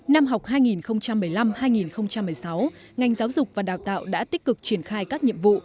năm học hai nghìn một mươi năm hai nghìn một mươi sáu ngành giáo dục và đào tạo đã tích cực triển khai các nhiệm vụ